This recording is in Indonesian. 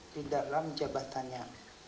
di dalam jabatannya